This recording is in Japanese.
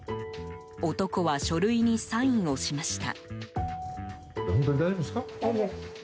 男は書類にサインをしました。